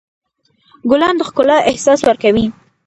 ګلان د ښکلا احساس ورکوي.